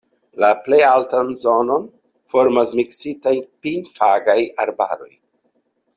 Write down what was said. La plej altan zonon formas miksitaj pin-fagaj arbaroj.